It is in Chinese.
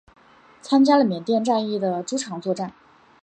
参加了缅甸战役的诸场作战。